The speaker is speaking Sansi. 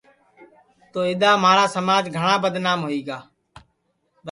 تو اِدؔا مہارا سماج گھٹؔا بدنام رہیا